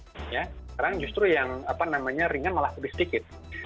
sekarang justru yang apa namanya ringan malah lebih sedikit